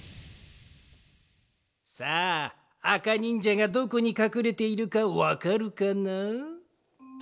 さああかにんじゃがどこにかくれているかわかるかな？